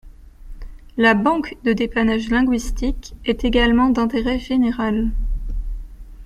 La Banque de dépannage linguistique est également d’intérêt général.